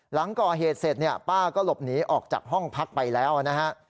หลังก่อเหตุเสร็จเนี่ยป้าก็หลบหนีออกจากห้องพักไปแล้วนะฮะ